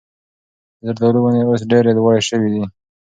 د زردالو ونې اوس ډېرې لوړې شوي دي.